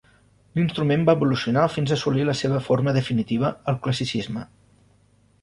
L'instrument va evolucionar fins a assolir la seua forma definitiva al classicisme.